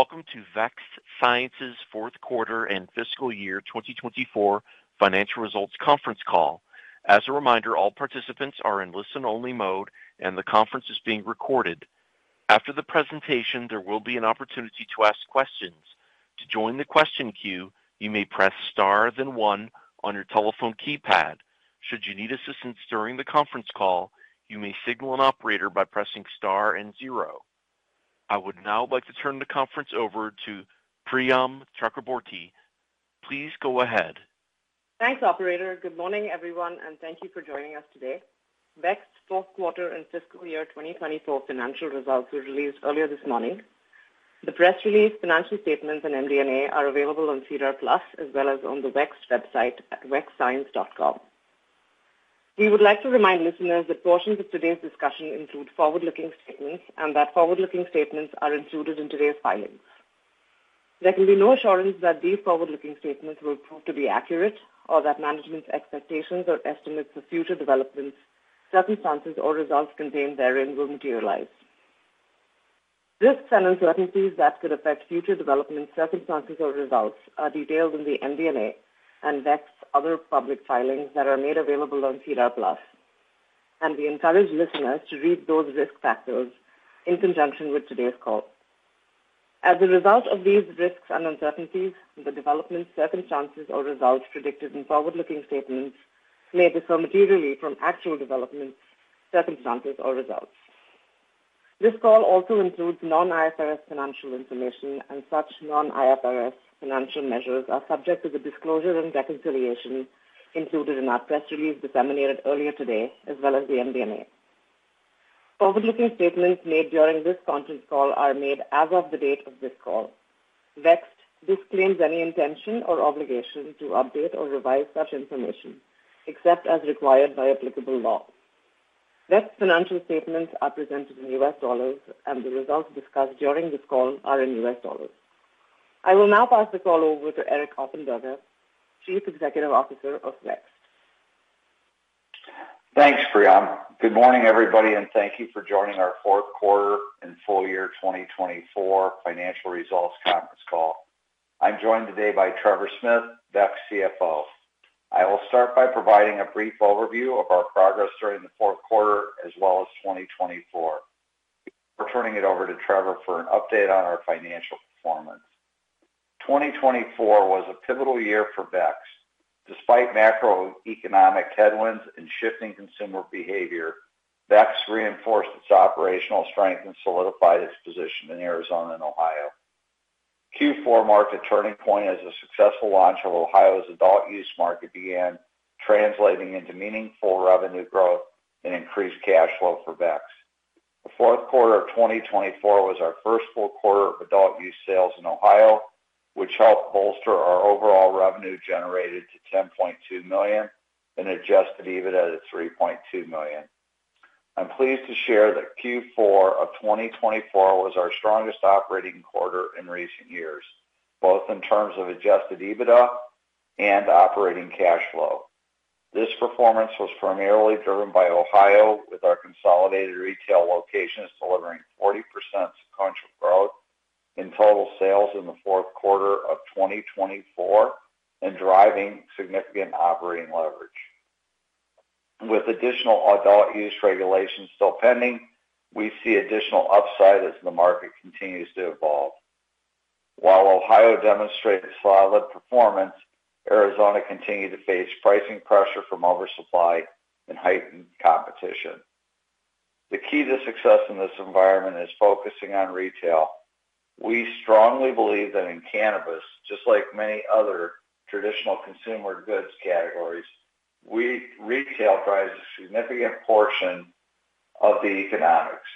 Welcome to Vext Science's Fourth Quarter and fiscal year 2024 Financial Results Conference Call. As a reminder, all participants are in listen-only mode, and the conference is being recorded. After the presentation, there will be an opportunity to ask questions. To join the question queue, you may press star then one on your telephone keypad. Should you need assistance during the conference call, you may signal an operator by pressing star and zero. I would now like to turn the conference over to Priyam Chakraborty. Please go ahead. Thanks, Operator. Good morning, everyone, and thank you for joining us today. Vext's fourth quarter and fiscal year 2024 financial results were released earlier this morning. The press release, financial statements, and MD&A are available on SEDAR+ as well as on the Vext website at vextscience.com. We would like to remind listeners that portions of today's discussion include forward-looking statements and that forward-looking statements are included in today's filings. There can be no assurance that these forward-looking statements will prove to be accurate or that management's expectations or estimates for future developments, circumstances, or results contained therein will materialize. Risks and uncertainties that could affect future developments, circumstances, or results are detailed in the MD&A and Vext's other public filings that are made available on SEDAR+, and we encourage listeners to read those risk factors in conjunction with today's call. As a result of these risks and uncertainties, the developments, circumstances, or results predicted in forward-looking statements may differ materially from actual developments, circumstances, or results. This call also includes non-IFRS financial information, and such non-IFRS financial measures are subject to the disclosure and reconciliation included in our press release disseminated earlier today as well as the MD&A. Forward-looking statements made during this conference call are made as of the date of this call. Vext disclaims any intention or obligation to update or revise such information except as required by applicable law. Vext financial statements are presented in US dollars, and the results discussed during this call are in U.S. dollars. I will now pass the call over to Eric Offenberger, Chief Executive Officer of Vext. Thanks, Priyam. Good morning, everybody, and thank you for joining our fourth quarter and full year 2024 financial results conference call. I'm joined today by Trevor Smith, Vext CFO. I will start by providing a brief overview of our progress during the fourth quarter as well as 2024. We're turning it over to Trevor for an update on our financial performance. 2024 was a pivotal year for Vext. Despite macroeconomic headwinds and shifting consumer behavior, Vext reinforced its operational strength and solidified its position in Arizona and Ohio. Q4 marked a turning point as the successful launch of Ohio's adult use market began translating into meaningful revenue growth and increased cash flow for Vext. The fourth quarter of 2024 was our first full quarter of adult use sales in Ohio, which helped bolster our overall revenue generated to $10.2 million and adjusted EBITDA to $3.2 million. I'm pleased to share that Q4 of 2024 was our strongest operating quarter in recent years, both in terms of adjusted EBITDA and operating cash flow. This performance was primarily driven by Ohio, with our consolidated retail locations delivering 40% sequential growth in total sales in the fourth quarter of 2024 and driving significant operating leverage. With additional adult use regulations still pending, we see additional upside as the market continues to evolve. While Ohio demonstrated solid performance, Arizona continued to face pricing pressure from oversupply and heightened competition. The key to success in this environment is focusing on retail. We strongly believe that in cannabis, just like many other traditional consumer goods categories, retail drives a significant portion of the economics.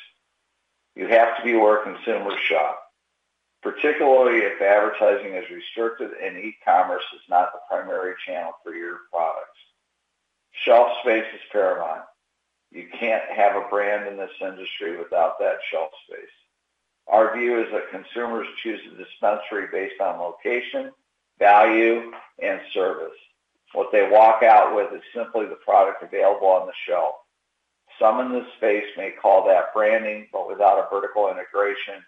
You have to be where consumers shop, particularly if advertising is restricted and e-commerce is not the primary channel for your products. Shelf space is paramount. You can't have a brand in this industry without that shelf space. Our view is that consumers choose a dispensary based on location, value, and service. What they walk out with is simply the product available on the shelf. Some in this space may call that branding, but without a vertical integration,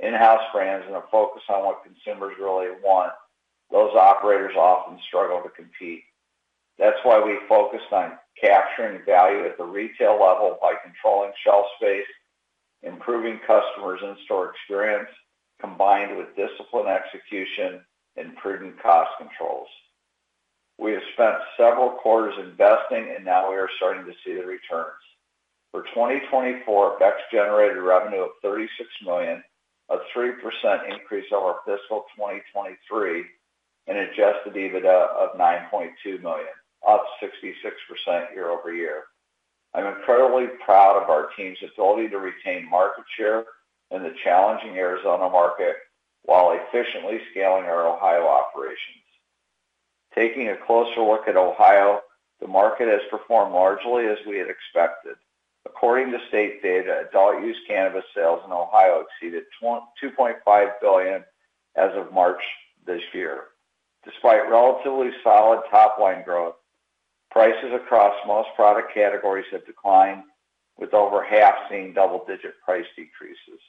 in-house brands, and a focus on what consumers really want, those operators often struggle to compete. That's why we focused on capturing value at the retail level by controlling shelf space, improving customers' in-store experience, combined with disciplined execution and prudent cost controls. We have spent several quarters investing, and now we are starting to see the returns. For 2024, Vext generated revenue of $36 million, a 3% increase over fiscal 2023, and adjusted EBITDA of $9.2 million, up 66% year over year. I'm incredibly proud of our team's ability to retain market share in the challenging Arizona market while efficiently scaling our Ohio operations. Taking a closer look at Ohio, the market has performed largely as we had expected. According to state data, adult use cannabis sales in Ohio exceeded $2.5 billion as of March this year. Despite relatively solid top-line growth, prices across most product categories have declined, with over half seeing double-digit price decreases.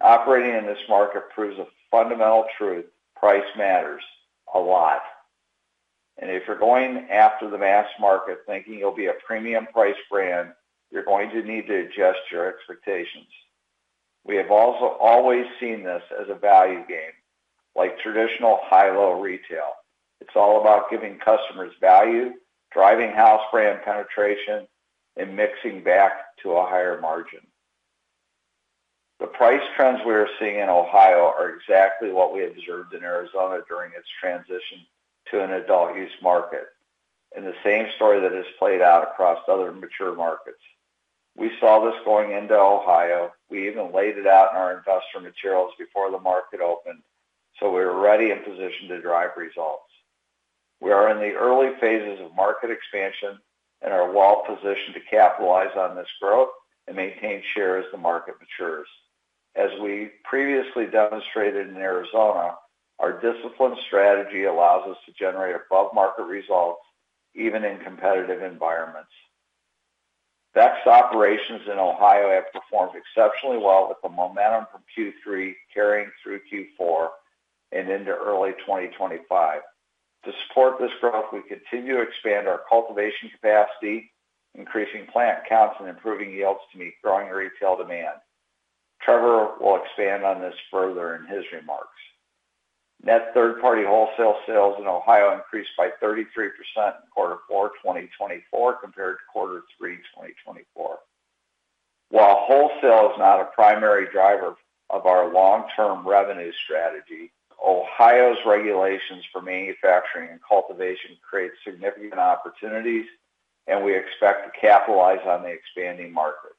Operating in this market proves a fundamental truth: price matters a lot. If you're going after the mass market thinking you'll be a premium-priced brand, you're going to need to adjust your expectations. We have also always seen this as a value game, like traditional high-low retail. It's all about giving customers value, driving house brand penetration, and mixing back to a higher margin. The price trends we are seeing in Ohio are exactly what we observed in Arizona during its transition to an adult use market, and the same story that has played out across other mature markets. We saw this going into Ohio. We even laid it out in our investor materials before the market opened, so we were ready and positioned to drive results. We are in the early phases of market expansion and are well-positioned to capitalize on this growth and maintain share as the market matures. As we previously demonstrated in Arizona, our disciplined strategy allows us to generate above-market results even in competitive environments. Vext's operations in Ohio have performed exceptionally well with the momentum from Q3 carrying through Q4 and into early 2025. To support this growth, we continue to expand our cultivation capacity, increasing plant counts and improving yields to meet growing retail demand. Trevor will expand on this further in his remarks. Net third-party wholesale sales in Ohio increased by 33% in quarter four, 2024, compared to quarter three in 2024. While wholesale is not a primary driver of our long-term revenue strategy, Ohio's regulations for manufacturing and cultivation create significant opportunities, and we expect to capitalize on the expanding market.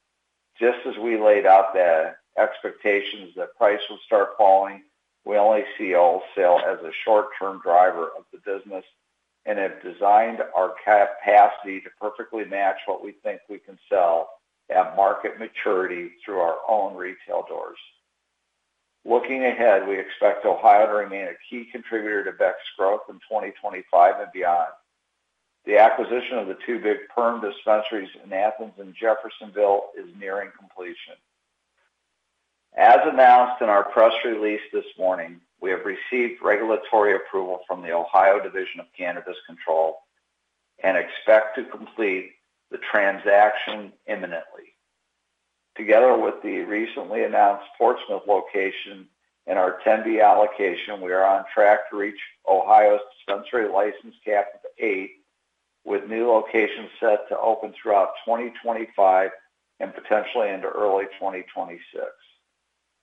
Just as we laid out the expectations that price would start falling, we only see wholesale as a short-term driver of the business and have designed our capacity to perfectly match what we think we can sell at market maturity through our own retail doors. Looking ahead, we expect Ohio to remain a key contributor to Vext's growth in 2025 and beyond. The acquisition of the two Big Perm dispensaries in Athens and Jeffersonville is nearing completion. As announced in our press release this morning, we have received regulatory approval from the Ohio Division of Cannabis Control and expect to complete the transaction imminently. Together with the recently announced Portsmouth location and our TENB allocation, we are on track to reach Ohio's dispensary license cap of eight, with new locations set to open throughout 2025 and potentially into early 2026.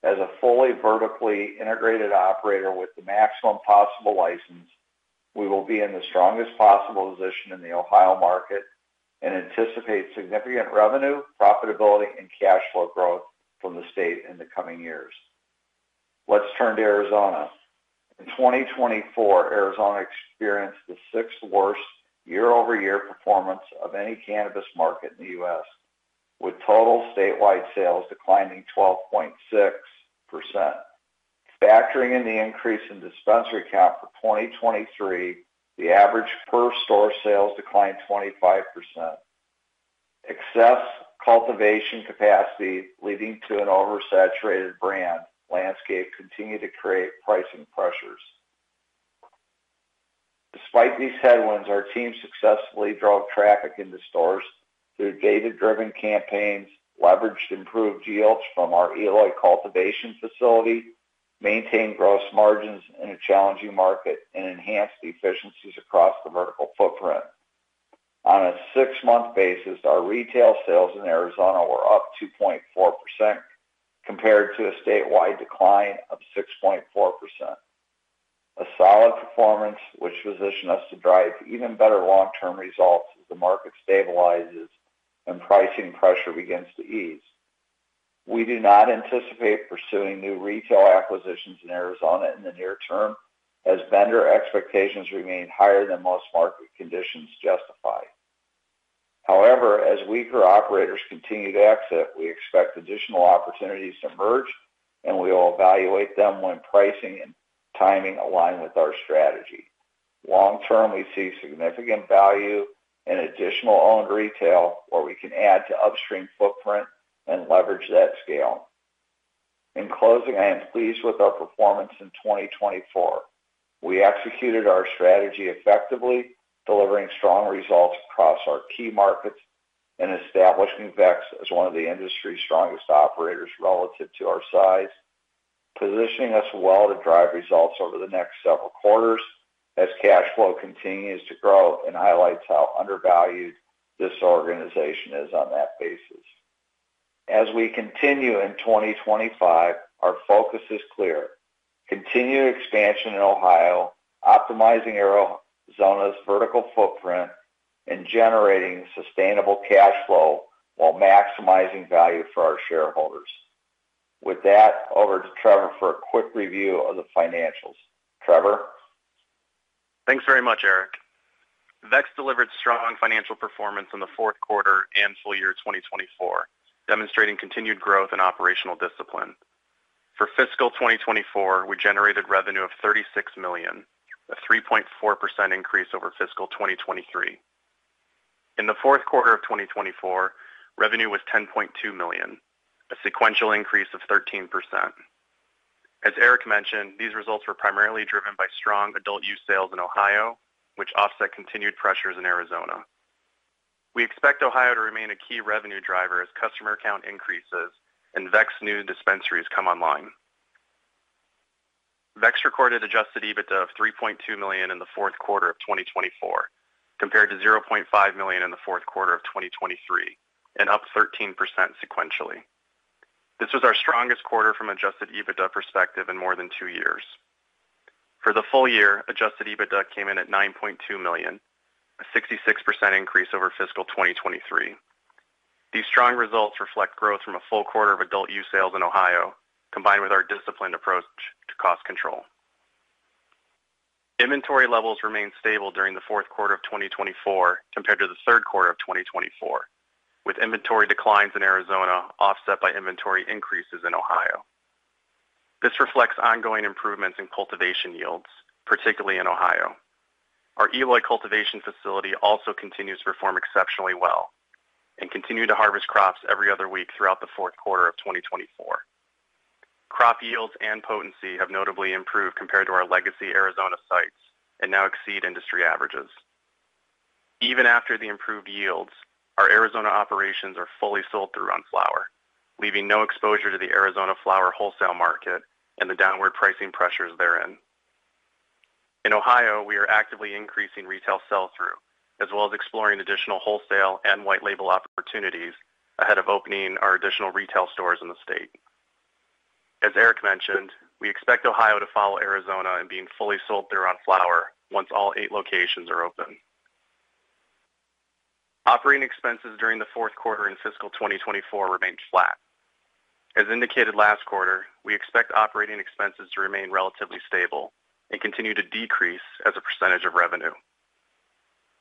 As a fully vertically integrated operator with the maximum possible license, we will be in the strongest possible position in the Ohio market and anticipate significant revenue, profitability, and cash flow growth from the state in the coming years. Let's turn to Arizona. In 2024, Arizona experienced the sixth worst year-over-year performance of any cannabis market in the U.S., with total statewide sales declining 12.6%. Factoring in the increase in dispensary cap for 2023, the average per-store sales declined 25%. Excess cultivation capacity leading to an oversaturated brand landscape continued to create pricing pressures. Despite these headwinds, our team successfully drove traffic into stores through data-driven campaigns, leveraged improved yields from our Eloy Cultivation Facility, maintained gross margins in a challenging market, and enhanced the efficiencies across the vertical footprint. On a six-month basis, our retail sales in Arizona were up 2.4% compared to a statewide decline of 6.4%. A solid performance, which positioned us to drive even better long-term results as the market stabilizes and pricing pressure begins to ease. We do not anticipate pursuing new retail acquisitions in Arizona in the near term as vendor expectations remain higher than most market conditions justify. However, as weaker operators continue to exit, we expect additional opportunities to emerge, and we will evaluate them when pricing and timing align with our strategy. Long-term, we see significant value in additional owned retail where we can add to upstream footprint and leverage that scale. In closing, I am pleased with our performance in 2024. We executed our strategy effectively, delivering strong results across our key markets and establishing Vext as one of the industry's strongest operators relative to our size, positioning us well to drive results over the next several quarters as cash flow continues to grow and highlights how undervalued this organization is on that basis. As we continue in 2025, our focus is clear: continue expansion in Ohio, optimizing Arizona's vertical footprint, and generating sustainable cash flow while maximizing value for our shareholders. With that, over to Trevor for a quick review of the financials. Trevor? Thanks very much, Eric. Vext delivered strong financial performance in the fourth quarter and full year 2024, demonstrating continued growth and operational discipline. For fiscal 2024, we generated revenue of $36 million, a 3.4% increase over fiscal 2023. In the fourth quarter of 2024, revenue was $10.2 million, a sequential increase of 13%. As Eric mentioned, these results were primarily driven by strong adult use sales in Ohio, which offset continued pressures in Arizona. We expect Ohio to remain a key revenue driver as customer count increases and Vext's new dispensaries come online. Vext recorded adjusted EBITDA of $3.2 million in the fourth quarter of 2024, compared to $0.5 million in the fourth quarter of 2023, and up 13% sequentially. This was our strongest quarter from an adjusted EBITDA perspective in more than two years. For the full year, adjusted EBITDA came in at $9.2 million, a 66% increase over fiscal 2023. These strong results reflect growth from a full quarter of adult use sales in Ohio, combined with our disciplined approach to cost control. Inventory levels remained stable during the fourth quarter of 2024 compared to the third quarter of 2024, with inventory declines in Arizona offset by inventory increases in Ohio. This reflects ongoing improvements in cultivation yields, particularly in Ohio. Our Eloy Cultivation Facility also continues to perform exceptionally well and continue to harvest crops every other week throughout the fourth quarter of 2024. Crop yields and potency have notably improved compared to our legacy Arizona sites and now exceed industry averages. Even after the improved yields, our Arizona operations are fully sold-through on flower, leaving no exposure to the Arizona flower wholesale market and the downward pricing pressures therein. In Ohio, we are actively increasing retail sell-through, as well as exploring additional wholesale and white-label opportunities ahead of opening our additional retail stores in the state. As Eric mentioned, we expect Ohio to follow Arizona in being fully sold-through on flower once all eight locations are open. Operating expenses during the fourth quarter in fiscal 2024 remained flat. As indicated last quarter, we expect operating expenses to remain relatively stable and continue to decrease as a percentage of revenue.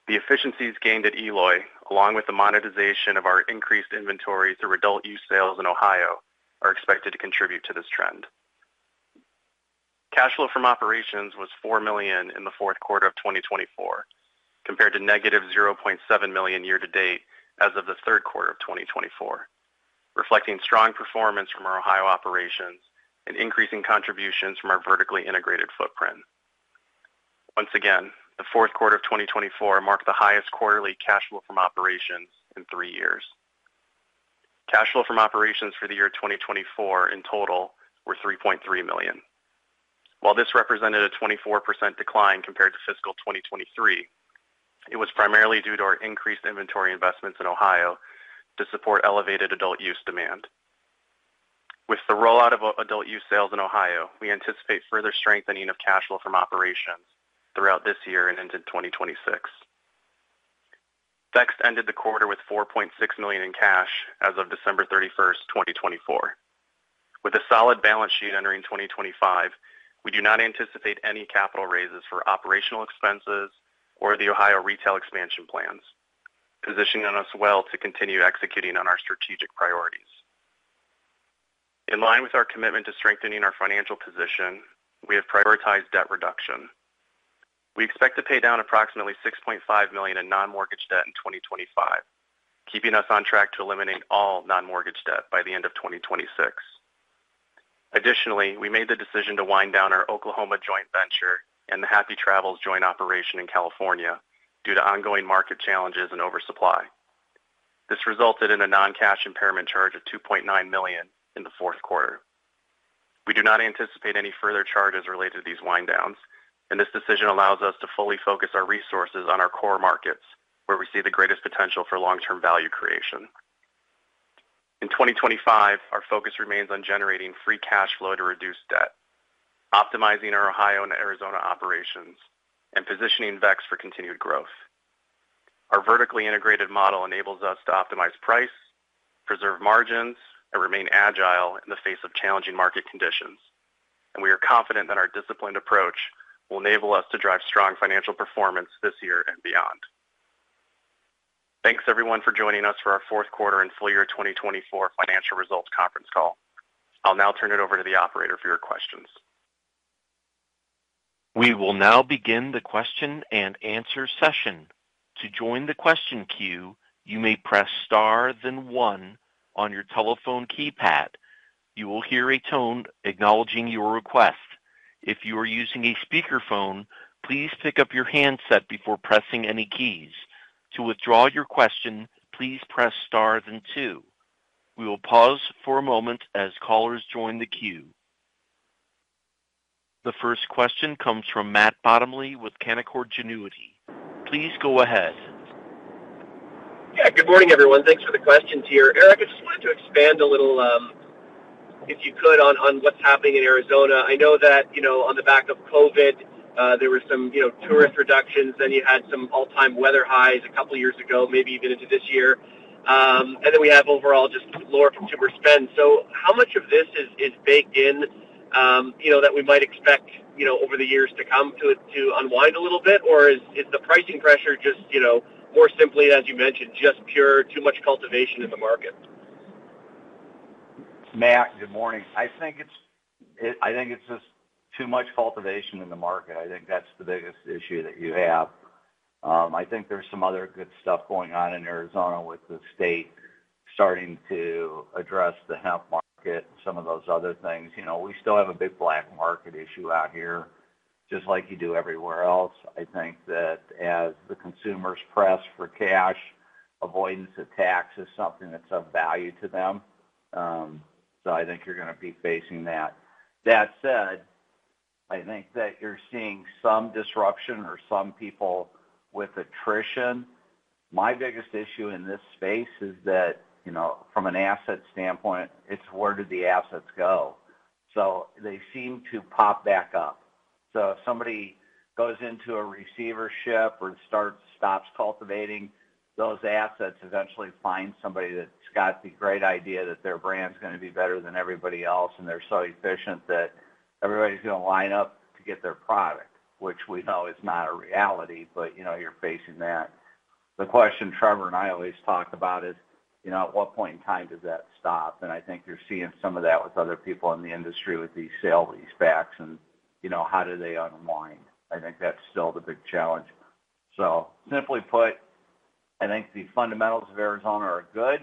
The efficiencies gained at Eloy, along with the monetization of our increased inventory through adult use sales in Ohio, are expected to contribute to this trend. Cash flow from operations was $4 million in the fourth quarter of 2024, compared to -$0.7 million year-to-date as of the third quarter of 2024, reflecting strong performance from our Ohio operations and increasing contributions from our vertically integrated footprint. Once again, the fourth quarter of 2024 marked the highest quarterly cash flow from operations in three years. Cash flow from operations for the year 2024 in total were $3.3 million. While this represented a 24% decline compared to fiscal 2023, it was primarily due to our increased inventory investments in Ohio to support elevated adult use demand. With the rollout of adult use sales in Ohio, we anticipate further strengthening of cash flow from operations throughout this year and into 2026. Vext ended the quarter with $4.6 million in cash as of December 31, 2024. With a solid balance sheet entering 2025, we do not anticipate any capital raises for operational expenses or the Ohio retail expansion plans, positioning us well to continue executing on our strategic priorities. In line with our commitment to strengthening our financial position, we have prioritized debt reduction. We expect to pay down approximately $6.5 million in non-mortgage debt in 2025, keeping us on track to eliminate all non-mortgage debt by the end of 2026. Additionally, we made the decision to wind down our Oklahoma Joint Venture and the Happy Travels joint operation in California due to ongoing market challenges and oversupply. This resulted in a non-cash impairment charge of $2.9 million in the fourth quarter. We do not anticipate any further charges related to these wind-downs, and this decision allows us to fully focus our resources on our core markets, where we see the greatest potential for long-term value creation. In 2025, our focus remains on generating free cash flow to reduce debt, optimizing our Ohio and Arizona operations, and positioning Vext for continued growth. Our vertically integrated model enables us to optimize price, preserve margins, and remain agile in the face of challenging market conditions, and we are confident that our disciplined approach will enable us to drive strong financial performance this year and beyond. Thanks, everyone, for joining us for our fourth quarter and full year 2024 financial results conference call. I'll now turn it over to the operator for your questions. We will now begin the question and answer session. To join the question queue, you may press star then one on your telephone keypad. You will hear a tone acknowledging your request. If you are using a speakerphone, please pick up your handset before pressing any keys. To withdraw your question, please press star then two. We will pause for a moment as callers join the queue. The first question comes from Matt Bottomley with Canaccord Genuity. Please go ahead. Yeah, good morning, everyone. Thanks for the questions here. Eric, I just wanted to expand a little, if you could, on what's happening in Arizona. I know that on the back of COVID, there were some tourist reductions, then you had some all-time weather highs a couple of years ago, maybe even into this year. We have overall just lower consumer spend. How much of this is baked in that we might expect over the years to come to unwind a little bit, or is the pricing pressure just more simply, as you mentioned, just pure too much cultivation in the market? Matt, good morning. I think it's just too much cultivation in the market. I think that's the biggest issue that you have. I think there's some other good stuff going on in Arizona with the state starting to address the hemp market and some of those other things. We still have a big black market issue out here, just like you do everywhere else. I think that as the consumers press for cash, avoidance of tax is something that's of value to them. I think you're going to be facing that. That said, I think that you're seeing some disruption or some people with attrition. My biggest issue in this space is that from an asset standpoint, it's where did the assets go? They seem to pop back up. If somebody goes into a receivership or starts cultivating, those assets eventually find somebody that's got the great idea that their brand's going to be better than everybody else, and they're so efficient that everybody's going to line up to get their product, which we know is not a reality, but you're facing that. The question Trevor and I always talk about is, at what point in time does that stop? I think you're seeing some of that with other people in the industry with these sale-leasebacks and how do they unwind? I think that's still the big challenge. Simply put, I think the fundamentals of Arizona are good.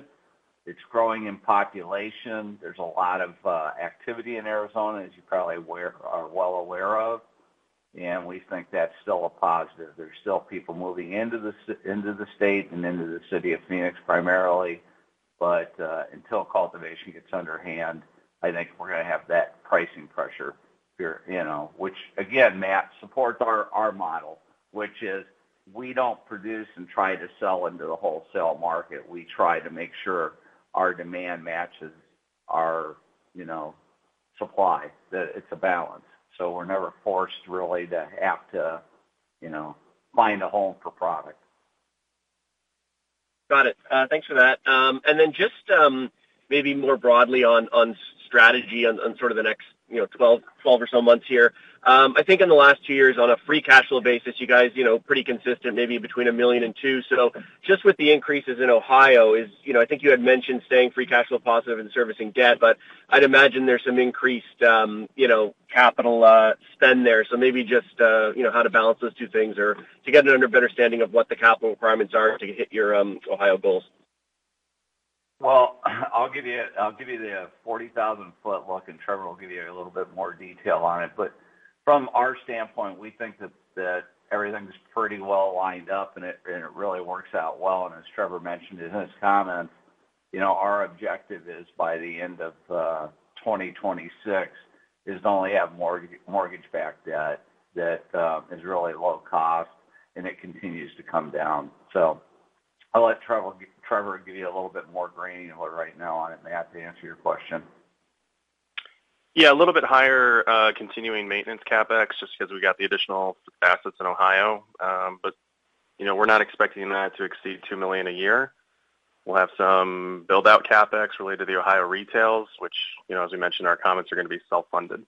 It's growing in population. There's a lot of activity in Arizona, as you probably are well aware of, and we think that's still a positive. There's still people moving into the state and into the City of Phoenix primarily, but until cultivation gets underhand, I think we're going to have that pricing pressure, which, again, Matt supports our model, which is we don't produce and try to sell into the wholesale market. We try to make sure our demand matches our supply, that it's a balance. So we're never forced really to have to find a home for product. Got it. Thanks for that. Maybe more broadly on strategy and sort of the next 12 or so months here, I think in the last two years on a free cash flow basis, you guys are pretty consistent, maybe between $1 million and $2 million. Just with the increases in Ohio, I think you had mentioned staying free cash flow positive and servicing debt, but I'd imagine there's some increased capital spend there. Maybe just how to balance those two things or to get an understanding of what the capital requirements are to hit your Ohio goals. I'll give you the 40,000-foot look, and Trevor will give you a little bit more detail on it. From our standpoint, we think that everything's pretty well lined up, and it really works out well. As Trevor mentioned in his comments, our objective is by the end of 2026 to only have mortgage-backed debt that is really low cost, and it continues to come down. I'll let Trevor give you a little bit more grain right now on it, Matt, to answer your question. Yeah, a little bit higher continuing maintenance CapEx just because we got the additional assets in Ohio. We are not expecting that to exceed $2 million a year. We will have some build-out CapEx related to the Ohio retails, which, as we mentioned, our comments are going to be self-funded.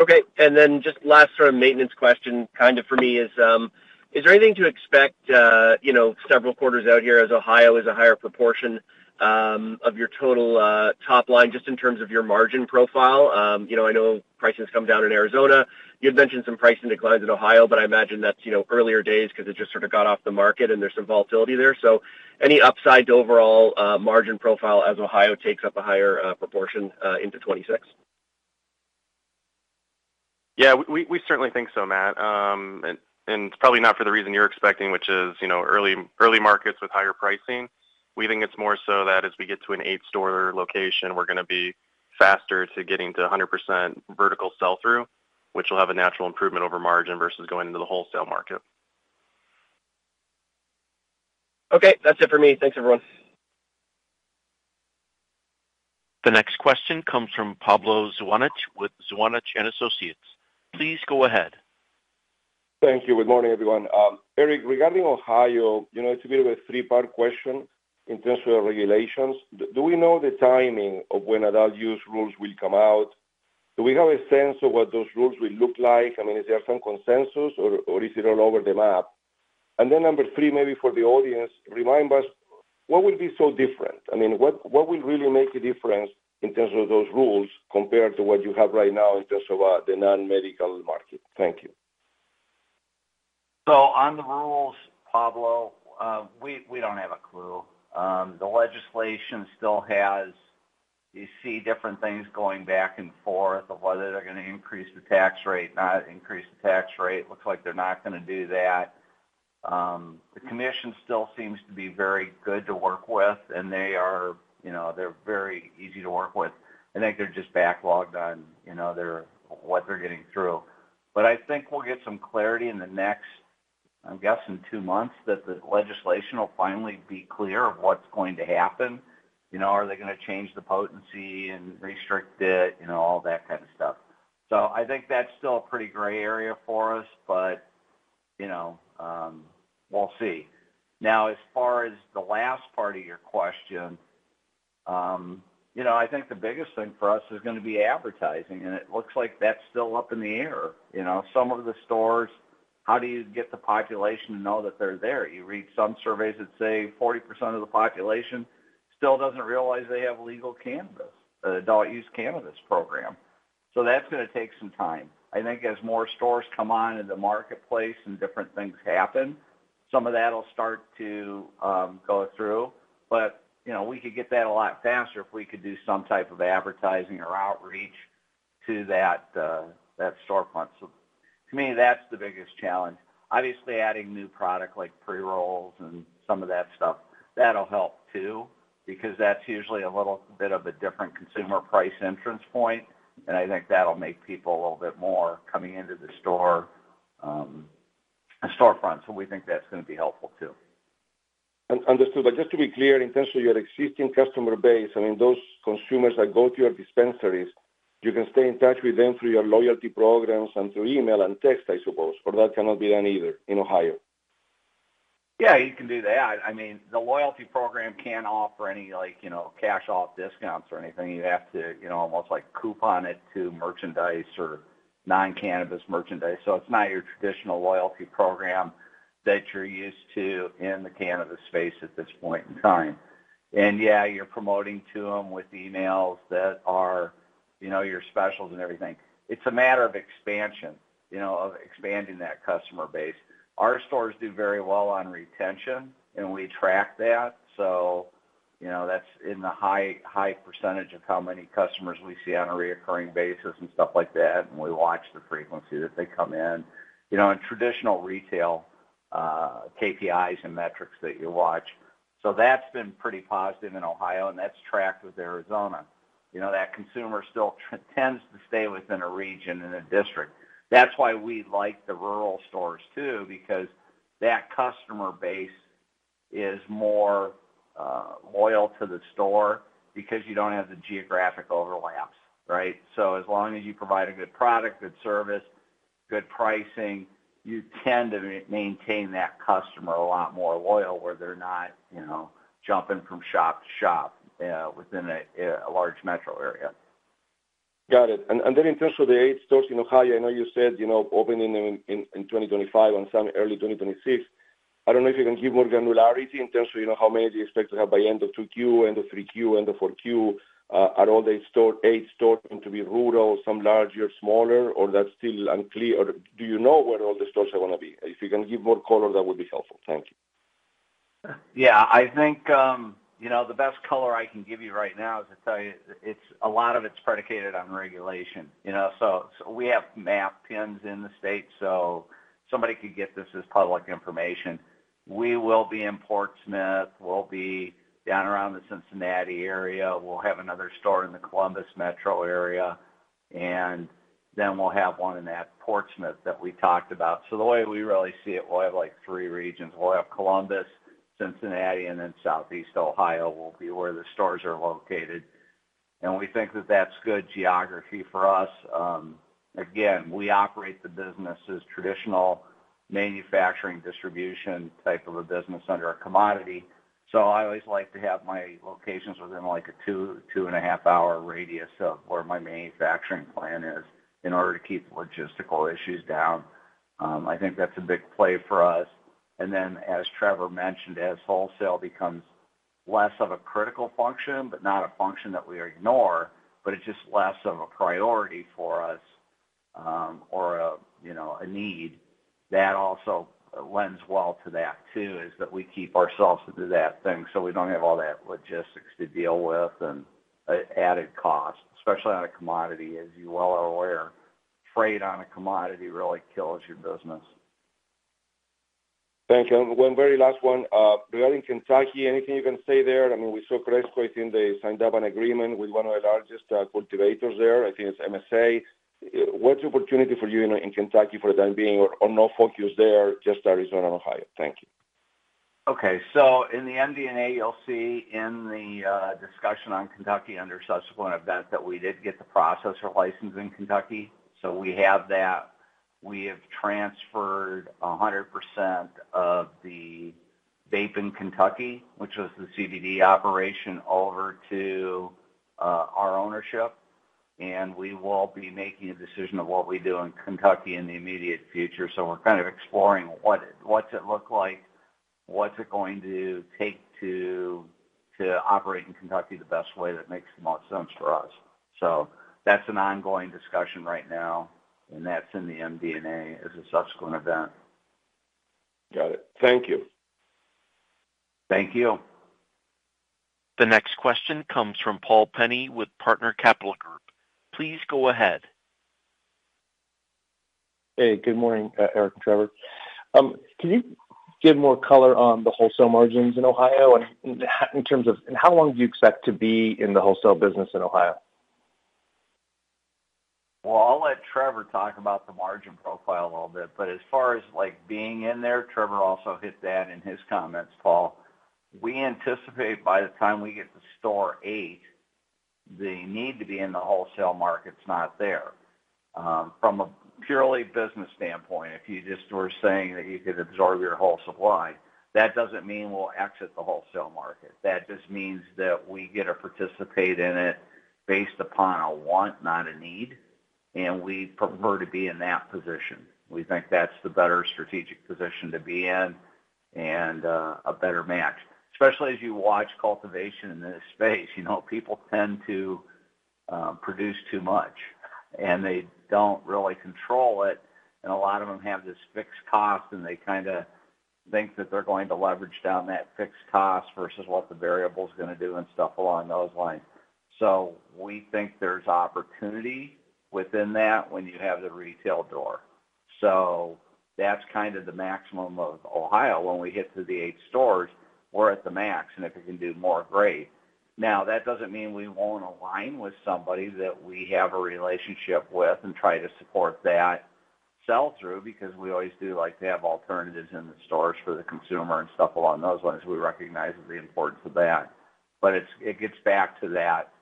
Okay. Just last sort of maintenance question for me is, is there anything to expect several quarters out here as Ohio is a higher proportion of your total top line just in terms of your margin profile? I know prices come down in Arizona. You had mentioned some pricing declines in Ohio, but I imagine that's earlier days because it just sort of got off the market and there's some volatility there. Any upside to overall margin profile as Ohio takes up a higher proportion into 2026? Yeah, we certainly think so, Matt. It's probably not for the reason you're expecting, which is early markets with higher pricing. We think it's more so that as we get to an eight-store location, we're going to be faster to getting to 100% vertical sell-through, which will have a natural improvement over margin versus going into the wholesale market. Okay. That's it for me. Thanks, everyone. The next question comes from Pablo Zuanich with Zuanich & Associates. Please go ahead. Thank you. Good morning, everyone. Eric, regarding Ohio, it's a bit of a three-part question in terms of regulations. Do we know the timing of when adult use rules will come out? Do we have a sense of what those rules will look like? I mean, is there some consensus, or is it all over the map? Number three, maybe for the audience, remind us, what will be so different? I mean, what will really make a difference in terms of those rules compared to what you have right now in terms of the non-medical market? Thank you. On the rules, Pablo, we don't have a clue. The legislation still has you see different things going back and forth of whether they're going to increase the tax rate, not increase the tax rate. Looks like they're not going to do that. The commission still seems to be very good to work with, and they're very easy to work with. I think they're just backlogged on what they're getting through. I think we'll get some clarity in the next, I'm guessing, two months that the legislation will finally be clear of what's going to happen. Are they going to change the potency and restrict it, all that kind of stuff? I think that's still a pretty gray area for us, but we'll see. Now, as far as the last part of your question, I think the biggest thing for us is going to be advertising, and it looks like that's still up in the air. Some of the stores, how do you get the population to know that they're there? You read some surveys that say 40% of the population still doesn't realize they have legal cannabis, the adult use cannabis program. That's going to take some time. I think as more stores come on into the marketplace and different things happen, some of that will start to go through. We could get that a lot faster if we could do some type of advertising or outreach to that storefront. To me, that's the biggest challenge. Obviously, adding new products like pre-rolls and some of that stuff, that'll help too because that's usually a little bit of a different consumer price entrance point, and I think that'll make people a little bit more coming into the storefront. We think that's going to be helpful too. Understood. Just to be clear, in terms of your existing customer base, I mean, those consumers that go to your dispensaries, you can stay in touch with them through your loyalty programs and through email and text, I suppose, or that cannot be done either in Ohio? Yeah, you can do that. I mean, the loyalty program can't offer any cash-off discounts or anything. You have to almost coupon it to merchandise or non-cannabis merchandise. It's not your traditional loyalty program that you're used to in the cannabis space at this point in time. Yeah, you're promoting to them with emails that are your specials and everything. It's a matter of expansion, of expanding that customer base. Our stores do very well on retention, and we track that. That's in the high percentage of how many customers we see on a reoccurring basis and stuff like that, and we watch the frequency that they come in and traditional retail KPIs and metrics that you watch. That's been pretty positive in Ohio, and that's tracked with Arizona. That consumer still tends to stay within a region and a district. That's why we like the rural stores too, because that customer base is more loyal to the store because you don't have the geographic overlaps, right? As long as you provide a good product, good service, good pricing, you tend to maintain that customer a lot more loyal where they're not jumping from shop to shop within a large metro area. Got it. In terms of the eight stores in Ohio, I know you said opening in 2025 and some early 2026. I don't know if you can give more granularity in terms of how many do you expect to have by end of 2Q, end of 3Q, end of 4Q, are all the eight stores going to be rural, some larger, smaller, or that's still unclear? Do you know where all the stores are going to be? If you can give more color, that would be helpful. Thank you. Yeah. I think the best color I can give you right now is to tell you a lot of it's predicated on regulation. We have map pins in the state, so somebody could get this as public information. We will be in Portsmouth. We'll be down around the Cincinnati area. We'll have another store in the Columbus Metro area, and then we'll have one in that Portsmouth that we talked about. The way we really see it, we'll have three regions. We'll have Columbus, Cincinnati, and then Southeast Ohio will be where the stores are located. We think that that's good geography for us. Again, we operate the business as traditional manufacturing distribution type of a business under a commodity. I always like to have my locations within a two-and-a-half-hour radius of where my manufacturing plant is in order to keep logistical issues down. I think that's a big play for us. As Trevor mentioned, as wholesale becomes less of a critical function, but not a function that we ignore, but it's just less of a priority for us or a need, that also lends well to that too, is that we keep ourselves into that thing so we don't have all that logistics to deal with and added cost, especially on a commodity, as you well are aware. Freight on a commodity really kills your business. Thank you. One very last one. Regarding Kentucky, anything you can say there? I mean, we saw Cresco. I think they signed up an agreement with one of the largest cultivators there. I think it's MSA. What's the opportunity for you in Kentucky for the time being or no focus there, just Arizona and Ohio? Thank you. Okay. In the MD&A, you'll see in the discussion on Kentucky under subsequent events that we did get the processor license in Kentucky. We have that. We have transferred 100% of the Vapen Kentucky, which was the CBD operation, over to our ownership, and we will be making a decision of what we do in Kentucky in the immediate future. We're kind of exploring what's it look like, what's it going to take to operate in Kentucky the best way that makes the most sense for us. That's an ongoing discussion right now, and that's in the MD&A as a subsequent event. Got it. Thank you. Thank you. The next question comes from Paul Penney with Partner Capital Group. Please go ahead. Hey, good morning, Eric and Trevor. Can you give more color on the wholesale margins in Ohio in terms of how long do you expect to be in the wholesale business in Ohio? I'll let Trevor talk about the margin profile a little bit. As far as being in there, Trevor also hit that in his comments, Paul. We anticipate by the time we get to store eight, they need to be in the wholesale markets not there. From a purely business standpoint, if you just were saying that you could absorb your whole supply, that doesn't mean we'll exit the wholesale market. That just means that we get to participate in it based upon a want, not a need, and we prefer to be in that position. We think that's the better strategic position to be in and a better match, especially as you watch cultivation in this space. People tend to produce too much, and they don't really control it. A lot of them have this fixed cost, and they kind of think that they're going to leverage down that fixed cost versus what the variable is going to do and stuff along those lines. We think there's opportunity within that when you have the retail door. That's kind of the maximum of Ohio. When we hit through the eight stores, we're at the max. If we can do more, great. That doesn't mean we won't align with somebody that we have a relationship with and try to support that sell-through because we always do like to have alternatives in the stores for the consumer and stuff along those lines. We recognize the importance of that. It gets back to that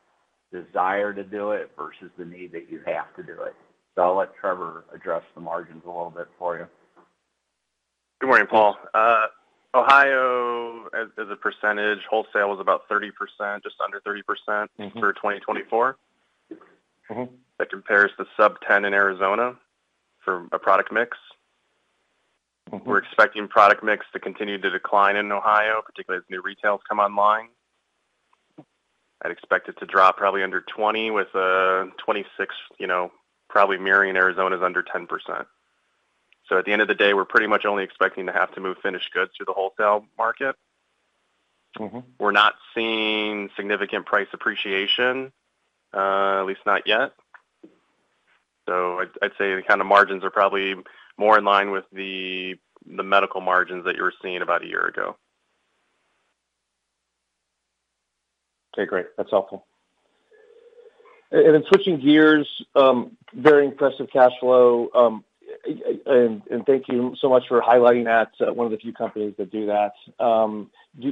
desire to do it versus the need that you have to do it. I'll let Trevor address the margins a little bit for you. Good morning, Paul. Ohio, as a percentage, wholesale was about 30%, just under 30% for 2024. That compares to sub-10% in Arizona for a product mix. We're expecting product mix to continue to decline in Ohio, particularly as new retails come online. I'd expect it to drop probably under 20% with a 26%, probably mirroring Arizona's under 10%. At the end of the day, we're pretty much only expecting to have to move finished goods to the wholesale market. We're not seeing significant price appreciation, at least not yet. I'd say the kind of margins are probably more in line with the medical margins that you were seeing about a year ago. Okay, great. That's helpful. Switching gears, very impressive cash flow. Thank you so much for highlighting that. One of the few companies that do that. Do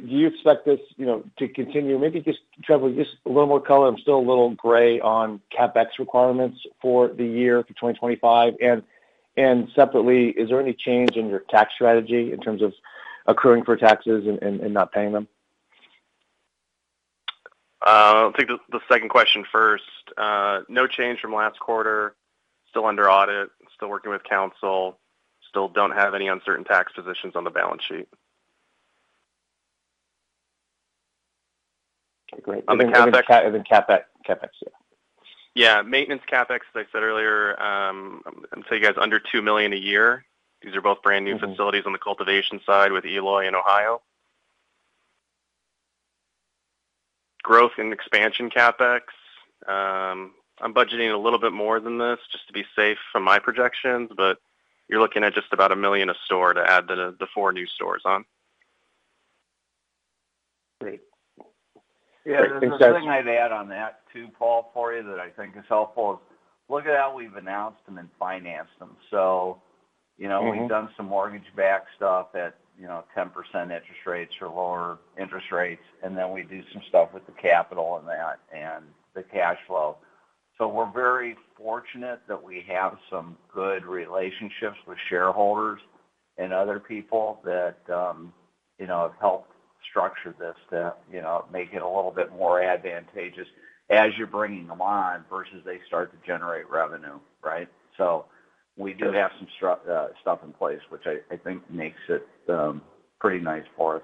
you expect this to continue? Maybe just Trevor, just a little more color. I'm still a little gray on CapEx requirements for the year for 2025. Separately, is there any change in your tax strategy in terms of accruing for taxes and not paying them? I'll take the second question first. No change from last quarter. Still under audit. Still working with counsel. Still don't have any uncertain tax positions on the balance sheet. Okay, great. Maintenance CapEx. On the CapEx? Maintenance CapEx, yeah. Yeah. Maintenance CapEx, as I said earlier, I'm going to tell you guys under $2 million a year. These are both brand new facilities on the cultivation side with Eloy in Ohio. Growth and expansion CapEx. I'm budgeting a little bit more than this just to be safe from my projections, but you're looking at just about $1 million a store to add the four new stores on. Great. Yeah. The other thing I'd add on that too, Paul, for you that I think is helpful is look at how we've announced them and financed them. We've done some mortgage-backed stuff at 10% interest rates or lower interest rates, and then we do some stuff with the capital and that and the cash flow. We're very fortunate that we have some good relationships with shareholders and other people that have helped structure this to make it a little bit more advantageous as you're bringing them on versus they start to generate revenue, right? We do have some stuff in place, which I think makes it pretty nice for us.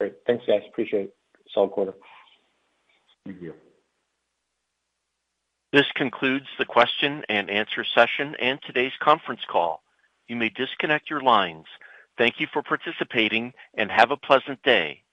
Great. Thanks, guys. Appreciate it. Solid quarter. Thank you. This concludes the question and answer session and today's conference call. You may disconnect your lines. Thank you for participating and have a pleasant day.